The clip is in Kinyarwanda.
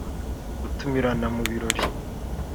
gutumirana mu birori